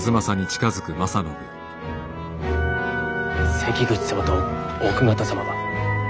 関口様と奥方様は？